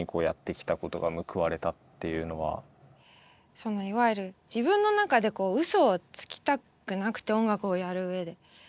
そのいわゆる自分の中でこううそをつきたくなくて音楽をやるうえで。